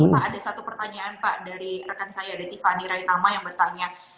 pak ini ada satu pertanyaan dari rekan saya tiffany raitama yang bertanya